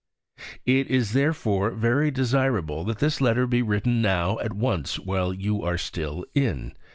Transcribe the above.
]. It is therefore very desirable that this letter should be written now at once while you are still 'in.'"